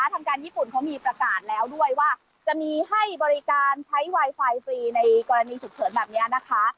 ทางการญี่ปุ่นเขามีประกาศแล้วด้วยว่าจะมีให้บริการใช้ไวไฟฟรีในกรณีฉุกเฉินแบบนี้นะคะ